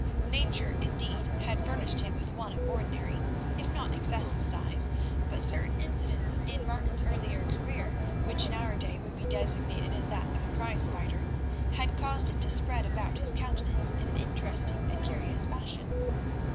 Nature, indeed, had furnished him with one of ordinary, if not excessive size, but certain incidents in Martin's early career, which in our day would be designated as that of a prize fighter, had caused it to spread about his countenance in an interesting and curious fashion.